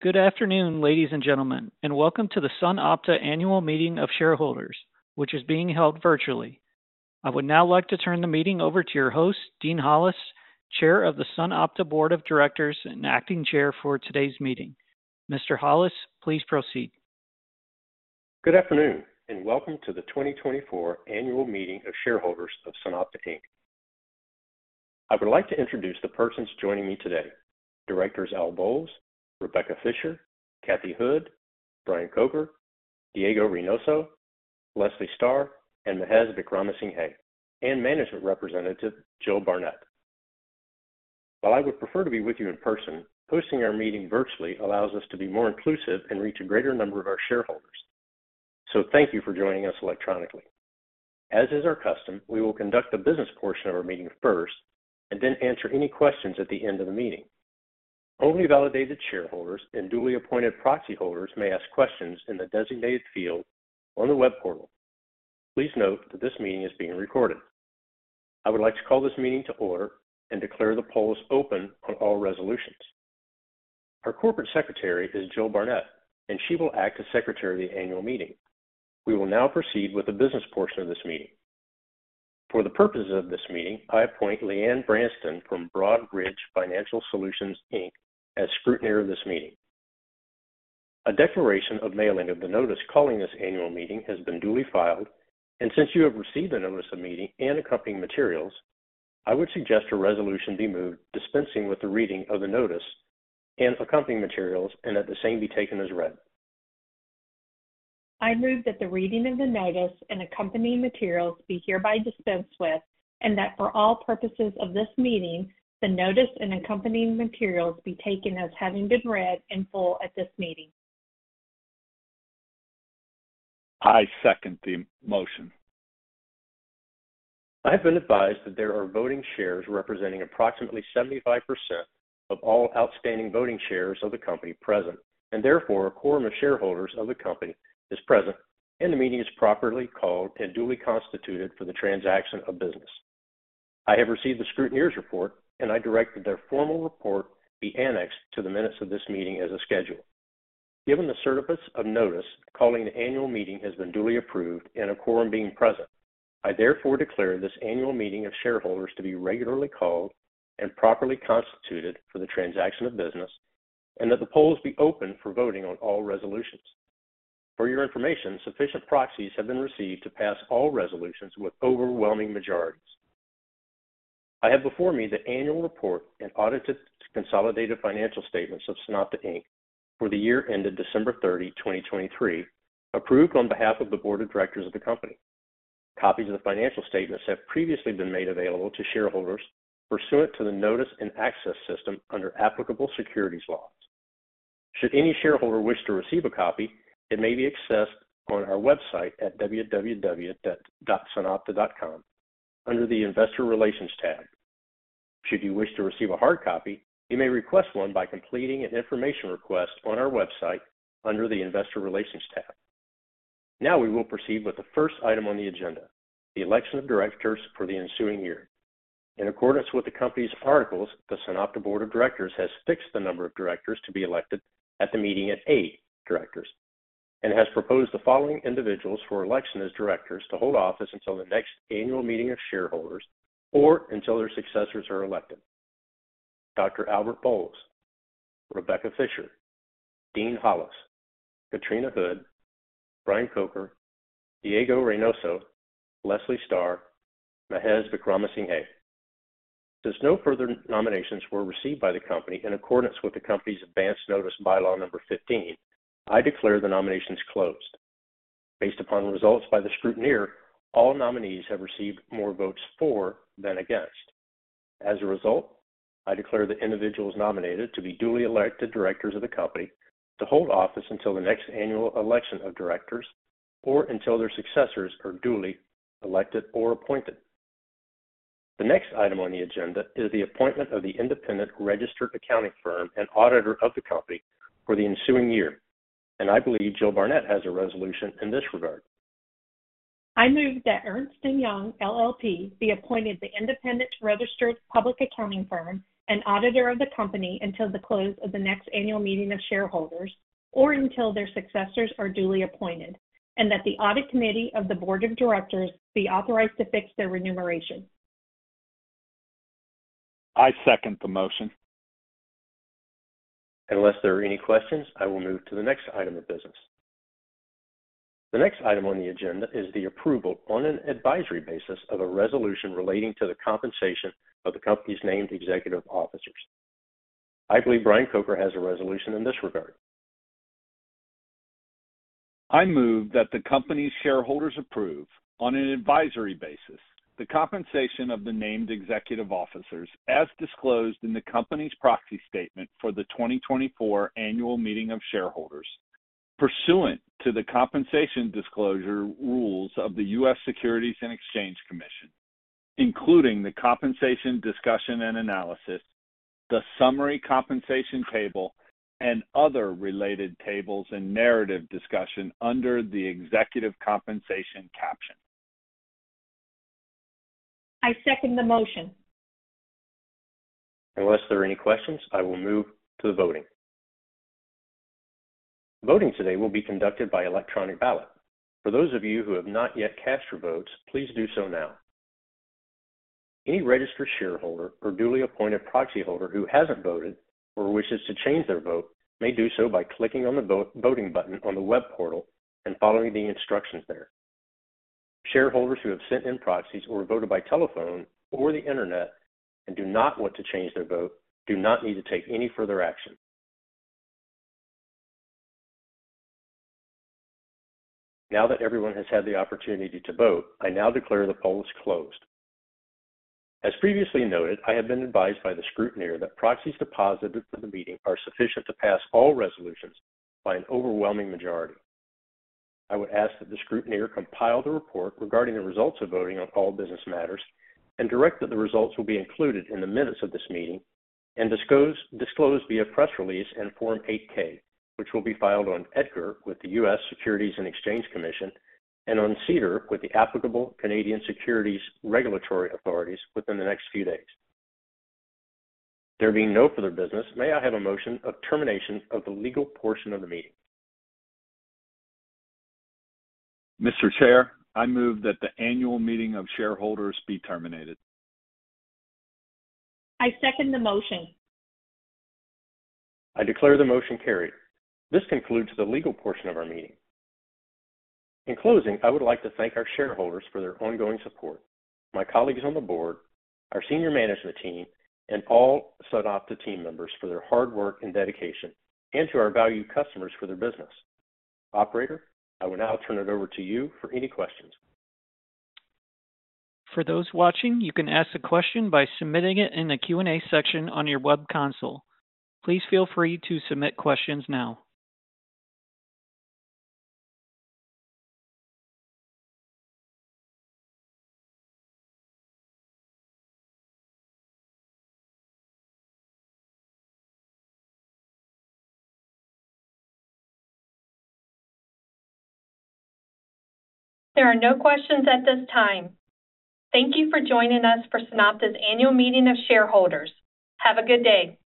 Good afternoon, ladies and gentlemen, and welcome to the SunOpta Annual Meeting of Shareholders, which is being held virtually. I would now like to turn the meeting over to your host, Dean Hollis, Chair of the SunOpta Board of Directors and acting chair for today's meeting. Mr. Hollis, please proceed. Good afternoon, and welcome to the 2024 Annual Meeting of Shareholders of SunOpta Inc. I would like to introduce the persons joining me today: Directors Albert Bolles, Rebecca Fisher, Katrina Houde, Brian Kocher, Diego Reynoso, Leslie Starr, and Mahes Wickramasinghe, and Management Representative Jill Barnett. While I would prefer to be with you in person, hosting our meeting virtually allows us to be more inclusive and reach a greater number of our shareholders. So thank you for joining us electronically. As is our custom, we will conduct the business portion of our meeting first, and then answer any questions at the end of the meeting. Only validated shareholders and duly appointed proxy holders may ask questions in the designated field on the web portal. Please note that this meeting is being recorded. I would like to call this meeting to order and declare the polls open on all resolutions. Our corporate secretary is Jill Barnett, and she will act as secretary of the annual meeting. We will now proceed with the business portion of this meeting. For the purposes of this meeting, I appoint Leanne Bernston from Broadridge Financial Solutions, Inc., as scrutineer of this meeting. A declaration of mailing of the notice calling this annual meeting has been duly filed, and since you have received the notice of meeting and accompanying materials, I would suggest a resolution be moved, dispensing with the reading of the notice and accompanying materials, and that the same be taken as read. I move that the reading of the notice and accompanying materials be hereby dispensed with, and that for all purposes of this meeting, the notice and accompanying materials be taken as having been read in full at this meeting. I second the motion. I have been advised that there are voting shares representing approximately 75% of all outstanding voting shares of the company present, and therefore, a quorum of shareholders of the company is present, and the meeting is properly called and duly constituted for the transaction of business. I have received the scrutineer's report, and I direct that their formal report be annexed to the minutes of this meeting as a schedule. Given the certificate of notice, calling the annual meeting has been duly approved and a quorum being present. I therefore declare this annual meeting of shareholders to be regularly called and properly constituted for the transaction of business, and that the polls be opened for voting on all resolutions. For your information, sufficient proxies have been received to pass all resolutions with overwhelming majorities. I have before me the annual report and audited consolidated financial statements of SunOpta Inc. for the year ended December 30, 2023, approved on behalf of the Board of Directors of the company. Copies of the financial statements have previously been made available to shareholders pursuant to the Notice and Access system under applicable securities laws. Should any shareholder wish to receive a copy, it may be accessed on our website at www.sunopta.com under the Investor Relations tab. Should you wish to receive a hard copy, you may request one by completing an information request on our website under the Investor Relations tab. Now we will proceed with the first item on the agenda, the election of directors for the ensuing year. In accordance with the company's articles, the SunOpta Board of Directors has fixed the number of directors to be elected at the meeting at eight directors and has proposed the following individuals for election as directors to hold office until the next annual meeting of shareholders or until their successors are elected: Dr. Albert Bolles, Rebecca Fisher, Dean Hollis, Katrina Houde, Brian Kocher, Diego Reynoso, Leslie Starr, Mahes Wickramasinghe. Since no further nominations were received by the company in accordance with the company's advance notice, Bylaw Number 15, I declare the nominations closed. Based upon results by the scrutineer, all nominees have received more votes for than against. As a result, I declare the individuals nominated to be duly elected directors of the company to hold office until the next annual election of directors or until their successors are duly elected or appointed. The next item on the agenda is the appointment of the independent registered accounting firm and auditor of the company for the ensuing year, and I believe Jill Barnett has a resolution in this regard. I move that Ernst & Young LLP be appointed the independent registered public accounting firm and auditor of the company until the close of the next annual meeting of shareholders or until their successors are duly appointed, and that the Audit Committee of the Board of Directors be authorized to fix their remuneration. I second the motion. Unless there are any questions, I will move to the next item of business. The next item on the agenda is the approval on an advisory basis of a resolution relating to the compensation of the company's named executive officers. I believe Brian Kocher has a resolution in this regard. I move that the company's shareholders approve, on an advisory basis, the compensation of the named executive officers, as disclosed in the company's Proxy Statement for the 2024 Annual Meeting of Shareholders, pursuant to the compensation disclosure rules of the US Securities and Exchange Commission, including the Compensation Discussion and Analysis, the Summary Compensation Table, and other related tables and narrative discussion under the Executive Compensation caption. I second the motion. Unless there are any questions, I will move to the voting. Voting today will be conducted by electronic ballot. For those of you who have not yet cast your votes, please do so now. Any registered shareholder or duly appointed proxyholder who hasn't voted or wishes to change their vote may do so by clicking on the vote, voting button on the web portal and following the instructions there. Shareholders who have sent in proxies or voted by telephone or the internet and do not want to change their vote, do not need to take any further action. Now that everyone has had the opportunity to vote, I now declare the polls closed. As previously noted, I have been advised by the scrutineer that proxies deposited for the meeting are sufficient to pass all resolutions by an overwhelming majority. I would ask that the scrutineer compile the report regarding the results of voting on all business matters and direct that the results will be included in the minutes of this meeting and disclose via press release and Form 8-K, which will be filed on EDGAR with the US Securities and Exchange Commission and on SEDAR with the applicable Canadian securities regulatory authorities within the next few days. There being no further business, may I have a motion of termination of the legal portion of the meeting? Mr. Chair, I move that the Annual Meeting of Shareholders be terminated. I second the motion. I declare the motion carried. This concludes the legal portion of our meeting. In closing, I would like to thank our shareholders for their ongoing support, my colleagues on the board, our senior management team, and all SunOpta team members for their hard work and dedication, and to our valued customers for their business. Operator, I will now turn it over to you for any questions. For those watching, you can ask a question by submitting it in the Q&A section on your web console. Please feel free to submit questions now. There are no questions at this time. Thank you for joining us for SunOpta's Annual Meeting of Shareholders. Have a good day.